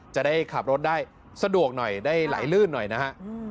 จะได้ขับรถได้สะดวกหน่อยได้ไหลลื่นหน่อยนะฮะ